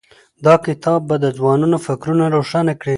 دا کتاب به د ځوانانو فکرونه روښانه کړي.